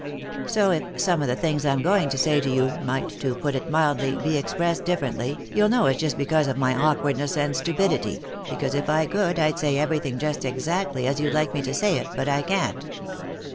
So if some of the things I'm going to say to you might, to put it mildly, be expressed differently, you'll know it's just because of my awkwardness and stupidity, because, if I could, I'd say everything just exactly as you'd like me to say it, but I can't."